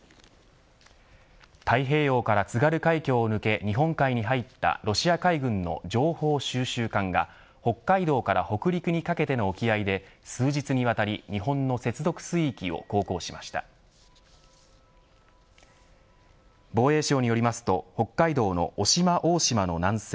太平洋から津軽海峡抜け日本海に入ったロシア海軍の情報収集艦が北海道から北陸にかけての沖合で数日にわたり日本の接続水域を航行しました防衛省によりますと北海道の渡島大島の南西